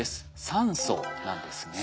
酸素なんですね。